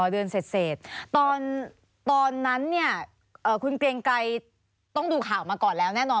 เดือนเสร็จตอนนั้นเนี่ยคุณเกรงไกรต้องดูข่าวมาก่อนแล้วแน่นอน